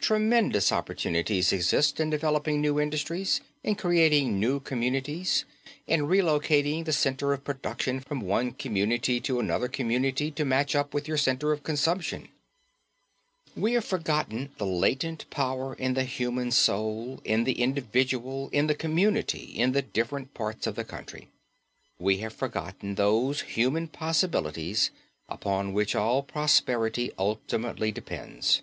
Tremendous opportunities exist in developing new industries, in creating new communities, in relocating the center of production from one community to another community to match up with the center of consumption. We have forgotten the latent power in the human soul, in the individual, in the community, in the different parts of the country. We have forgotten those human possibilities upon which all prosperity ultimately depends.